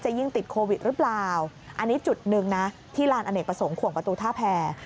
ยิ่งติดโควิดหรือเปล่าอันนี้จุดหนึ่งนะที่ลานอเนกประสงค์ขวงประตูท่าแพร